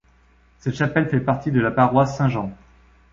Cette chapelle fait partie de la paroisse Saint-Jean.